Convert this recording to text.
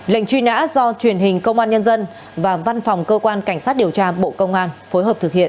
lệnh truy nã do truyền hình công an nhân dân và văn phòng cơ quan cảnh sát điều tra bộ công an phối hợp thực hiện